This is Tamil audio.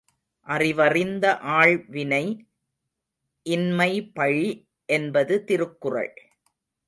அறிவறிந்த ஆள்வினை இன்மைபழி என்பது திருக்குறள்.